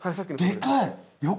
でかい！